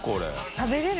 食べれる？